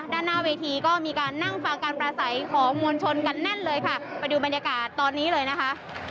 ด้านหน้าเวทีก็มีการนั่งฟังการประสัยของมวลชนกันแน่นเลยค่ะไปดูบรรยากาศตอนนี้เลยนะคะ